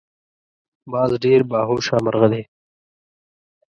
باز ډیر باهوشه مرغه دی